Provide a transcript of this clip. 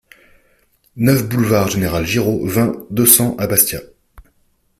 neuf boulevard Général Giraud, vingt, deux cents à Bastia